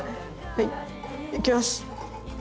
はいいきます。